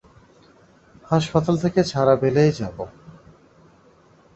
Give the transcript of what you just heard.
হাসপাতাল থেকে ছাড়া পেলেই যাব।